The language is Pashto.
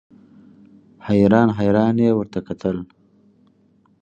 حیران حیران یې ورته کتل.